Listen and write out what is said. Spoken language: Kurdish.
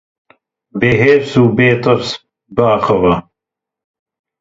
Bê hêrs û bê tirs biaxive.